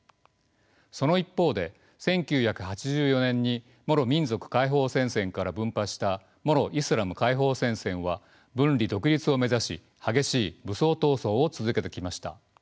その一方で１９８４年にモロ民族解放戦線から分派したモロ・イスラム解放戦線は分離独立を目指し激しい武装闘争を続けてきました。